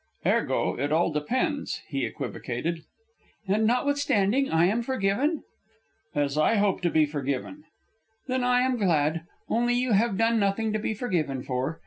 "Ergo, it all depends," he equivocated. "And, notwithstanding, I am forgiven?" "As I hope to be forgiven." "Then I am glad only, you have done nothing to be forgiven for.